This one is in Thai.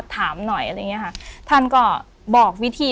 ถามหน่อยค่ะท่านก็บอกวิธี